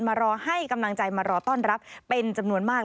รอให้กำลังใจมารอต้อนรับเป็นจำนวนมาก